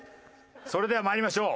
それでは参りましょう。